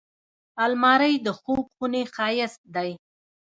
الماري د خوب خونې ښايست دی